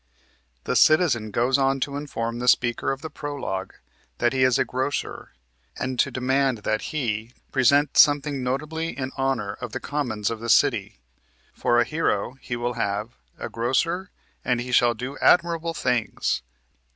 The Citizen goes on to inform the Speaker of the Prolog that he is a grocer, and to demand that he "present something notably in honor of the commons of the city." For a hero he will have "a grocer, and he shall do admirable things."